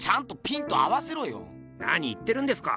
何言ってるんですか！